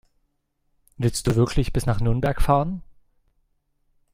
Willst du wirklich bis nach Nürnberg fahren?